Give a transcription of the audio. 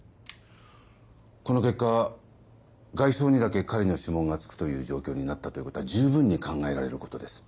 この結果外装にだけ彼の指紋がつくという状況になったということは十分に考えられることです。